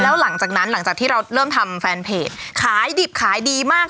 แล้วหลังจากนั้นหลังจากที่เราเริ่มทำแฟนเพจขายดิบขายดีมาก